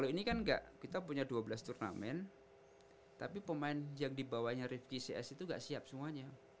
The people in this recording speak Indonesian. ini kan enggak kita punya dua belas turnamen tapi pemain yang dibawanya rifqi cs itu nggak siap semuanya